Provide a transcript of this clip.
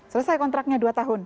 selesai kontraknya dua tahun